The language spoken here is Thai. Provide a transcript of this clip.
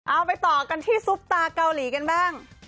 เอาไปต่อกันที่ซุปตาเกาหลีกันบ้าง